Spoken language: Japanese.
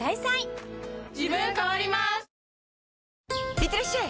いってらっしゃい！